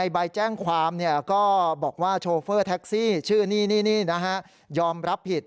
บอกว่าไม่ใช่แจ้งเพิ่มนะครับ